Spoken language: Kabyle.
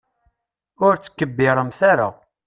Ur tkebbiremt ara.